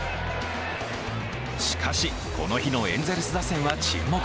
しかし、この日のエンゼルス打線は沈黙。